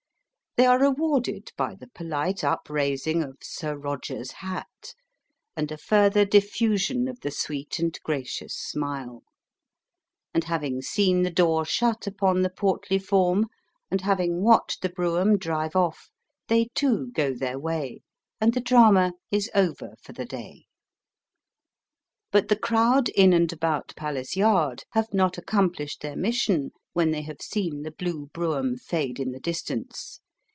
They are rewarded by the polite upraising of "Sir Roger's" hat, and a further diffusion of the sweet and gracious smile; and having seen the door shut upon the portly form, and having watched the brougham drive off, they, too, go their way, and the drama is over for the day. But the crowd in and about Palace Yard have not accomplished their mission when they have seen the blue brougham fade in the distance.